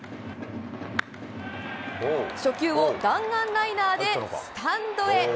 初球を弾丸ライナーでスタンドへ。